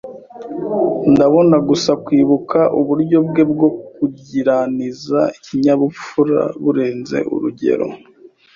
Ndabona gusa kwibuka uburyo bwe bwo kuringaniza ikinyabupfura burenze urugero.